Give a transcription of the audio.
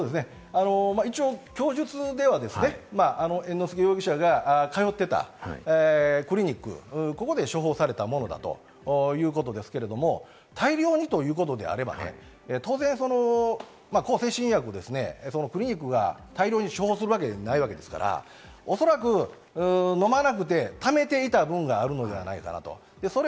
一応、供述では猿之助容疑者が通っていたクリニック、ここで処方されたものだということですけれども、大量にということであれば当然、向精神薬をクリニックが大量に処方するわけないわけですから、おそらく飲まなくてためていた分があるのではないかなと。